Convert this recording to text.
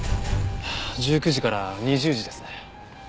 １９時から２０時ですね。